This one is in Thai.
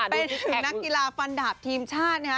เป็นถึงนักกีฬาฟันดาบทีมชาตินะฮะ